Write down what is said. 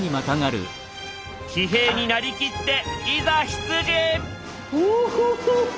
騎兵になりきっていざ出陣！